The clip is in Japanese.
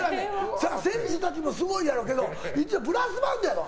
選手たちもすごいやろうけどブラスバンドやろ。